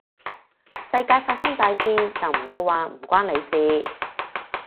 世界發生大事，就唔到話唔關你事